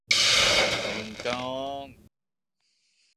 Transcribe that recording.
หนึ่ง โกง